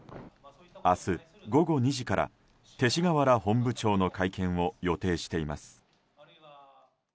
明日、午後２時から勅使河原本部長の会見を予定しています。